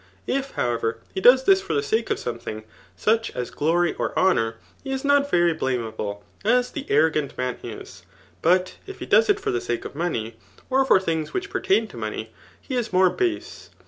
14 howSi^ ever, he does this for the sake c^ something, such m glory or honour, he ik not very blameable, as the airo gant man' is ; but if he does it for the sake of smaeyt or of things which' pertain ti> mcmey, he is more base.